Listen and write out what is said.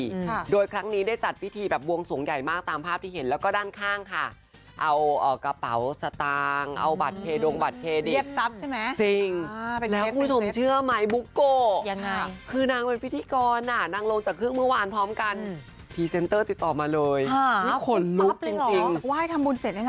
ค่ะโดยครั้งนี้ได้จัดพิธีแบบบวงสวงใหญ่มากตามภาพที่เห็นแล้วก็ด้านข้างค่ะเอากระเป๋าสตางค์เอาบัตรเคดงบัตรเครดิตทรัพย์ใช่ไหมจริงอ่าไปแล้วคุณผู้ชมเชื่อไหมบุ๊กโกะยังไงคือนางเป็นพิธีกรอ่ะนางลงจากเครื่องเมื่อวานพร้อมกันพรีเซนเตอร์ติดต่อมาเลยอ่าขนลุกจริงจริงไหว้ทำบุญเสร็จด้วยนะ